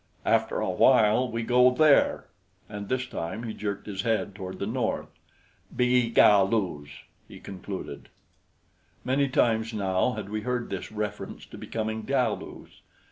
"After a while we go there." And this time he jerked his head toward the north. "Be Galus," he concluded. Many times now had we heard this reference to becoming Galus.